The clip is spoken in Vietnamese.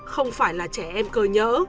không phải là trẻ em cơ nhỡ